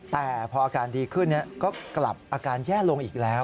แต่พออาการดีขึ้นก็กลับอาการแย่ลงอีกแล้ว